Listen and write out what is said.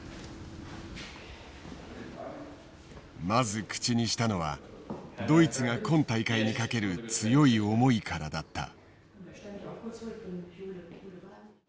まず口にしたのはドイツが今大会にかける強い思いからだった。